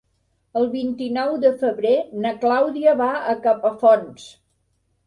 El vint-i-nou de febrer na Clàudia va a Capafonts.